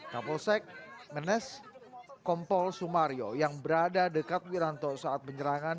kapolsek menes kompol sumario yang berada dekat wiranto saat penyerangan